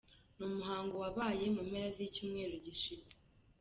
Ni umuhango wabaye mu mpera z'icyumweru gishize.